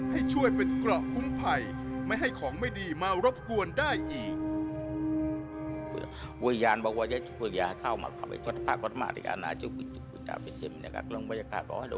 ให้ช่วยเป็นเกราะคุ้มภัยไม่ให้ของไม่ดีมารบกวนได้อีก